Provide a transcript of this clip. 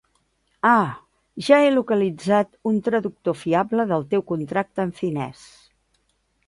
Ah, ja he localitzat un traductor fiable del teu contracte en finès.